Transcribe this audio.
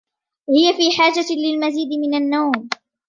هي في حاجة للمزيد من النوم.